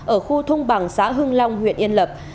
ở khu thung bằng xã hưng long huyện yên lập